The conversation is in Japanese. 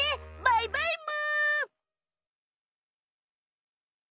バイバイむ！